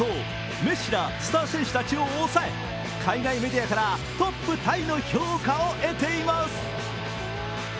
メッシらスター選手たちを抑え海外メディアから、トップタイの評価を得ています。